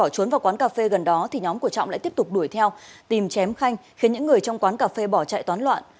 trọng sẽ tiếp tục đuổi theo tìm chém khanh khiến những người trong quán cà phê bỏ chạy toán loạn